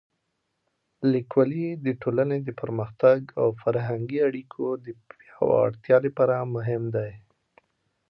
لیکوالی د ټولنې د پرمختګ او فرهنګي اړیکو د پیاوړتیا لپاره مهم دی.